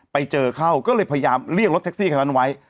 ไปเจอเข้าก็เลยพยายามเรียกรถแท็กซี่คันนั้นไว้